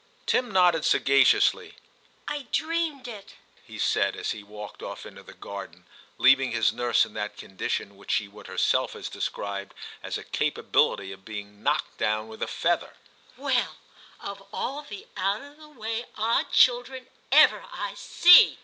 Tim nodded sagaciously :* I dreamed it,' he said, as he walked off into the garden, leaving his nurse in that condition which she would herself have described as a capability of being knocked down with a feather. 14 TIM CHAP. * Well, of all the out of the way odd children ever I see